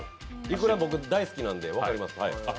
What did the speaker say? いくら僕大好きなんで分かります。